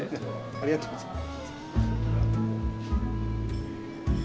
ありがとうございます。